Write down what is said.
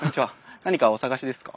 何かお探しですか？